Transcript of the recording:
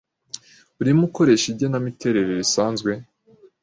Urimo ukoresha igenamiterere risanzwe?